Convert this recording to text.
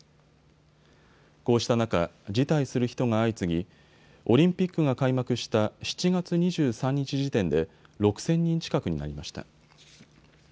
こうした中、辞退する人が相次ぎ、オリンピックが開幕した７月２３日時点で６０００人近くになりました。